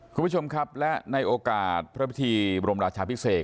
คุณผู้ชมครับและในโอกาสพระพิธีบรมราชาพิเศษ